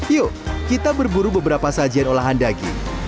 yuk kita berburu beberapa sajian olahan daging